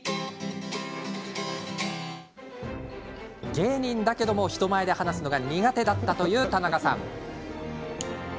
芸人だけれども人前で話すのが苦手だったというたなかさん。